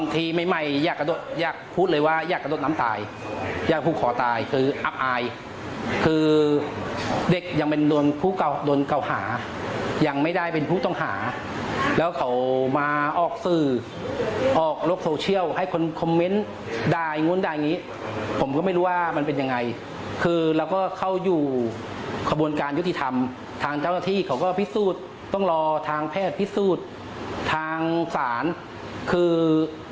การยุติธรรมทางเจ้าหน้าที่เขาก็พิสูจน์ต้องรอทางแพทย์พิสูจน์ทางศาลคือ